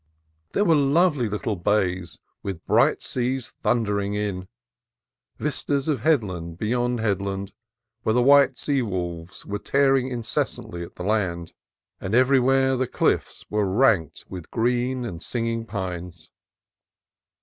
There were lovely little bays with bright seas thun dering in ; vistas of headland beyond headland where the white sea wolves were tearing incessantly at the land; and everywhere the cliffs were ranked with green and singing pines.